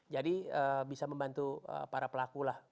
jadi bisa membantu para pelaku lah